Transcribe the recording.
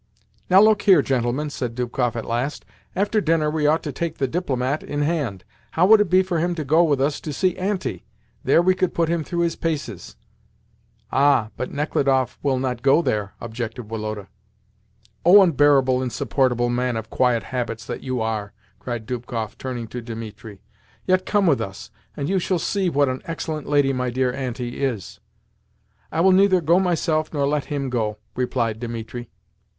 "Now, look here, gentlemen," said Dubkoff at last. "After dinner we ought to take the DIPLOMAT in hand. How would it be for him to go with us to see Auntie? There we could put him through his paces." "Ah, but Nechludoff will not go there," objected Woloda. "O unbearable, insupportable man of quiet habits that you are!" cried Dubkoff, turning to Dimitri. "Yet come with us, and you shall see what an excellent lady my dear Auntie is." "I will neither go myself nor let him go," replied Dimitri.